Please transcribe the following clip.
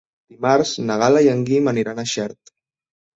Dimarts na Gal·la i en Guim aniran a Xert.